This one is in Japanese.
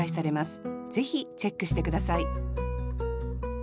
ぜひチェックして下さい